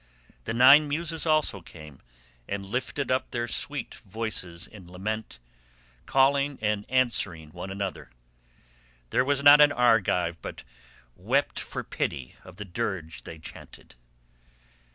The nine muses also came and lifted up their sweet voices in lament—calling and answering one another; there was not an Argive but wept for pity of the dirge they chaunted.